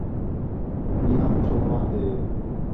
بیھانک چُھڑواندین